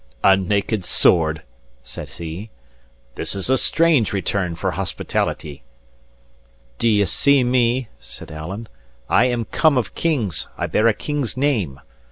"A naked sword?" says he. "This is a strange return for hospitality." "Do ye see me?" said Alan. "I am come of kings; I bear a king's name.